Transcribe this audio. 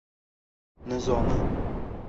Nizomi